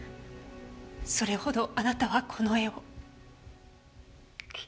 それほどあなたはこの絵を。